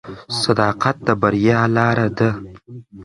صداقت د بریا لاره ده.